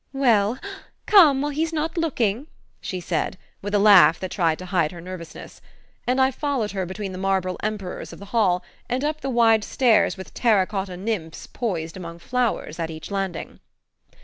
"Well, come while he's not looking," she said, with a laugh that tried to hide her nervousness; and I followed her between the marble Emperors of the hall, and up the wide stairs with terra cotta nymphs poised among flowers at each landing.